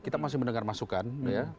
kita masih mendengar masukan ya